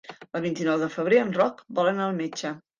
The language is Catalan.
El vint-i-nou de febrer en Roc vol anar al metge.